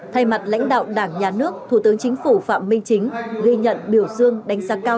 thay mặt lãnh đạo đảng nhà nước thủ tướng chính phủ phạm minh chính ghi nhận biểu dương đánh giá cao